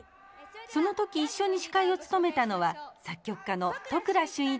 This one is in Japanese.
その時一緒に司会を務めたのは作曲家の都倉俊一さんです。